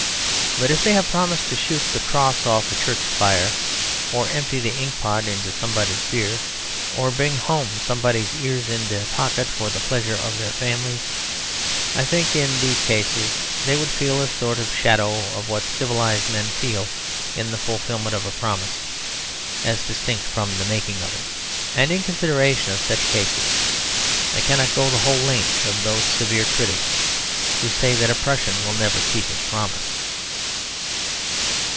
But if they have promised to shoot the cross off a church spire, or empty the inkpot into somebody's beer, or bring home somebody's ears in their pocket for the pleasure of their families, I think in these cases they would feel a sort of a shadow of what civilised men feel in the fulfilment of a promise, as distinct from the making of it. And, in consideration of such cases, I cannot go the whole length of those severe critics who say that a Prussian will never keep his promise.